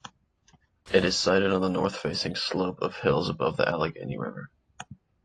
It is sited on the north-facing slope of hills above the Allegheny River.